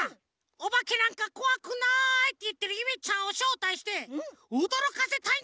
「おばけなんかこわくない！」っていってるゆめちゃんをしょうたいしておどろかせたいんだよね！